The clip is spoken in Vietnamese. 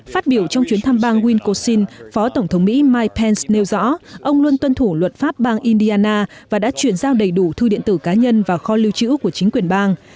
phát biểu trong chuyến thăm bang wiscosin phó tổng thống mỹ mike pence nêu rõ ông luôn tuân thủ luật pháp bang indiana và đã chuyển giao đầy đủ thư điện tử cá nhân vào kho lưu trữ của chính quyền bang